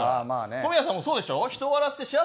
小宮さんもそうでしょ。